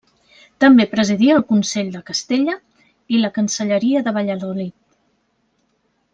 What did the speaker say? També presidí el Consell de Castella i la Cancelleria de Valladolid.